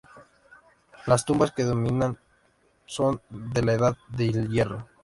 Las tumbas que dominan son de la Edad del Hierro.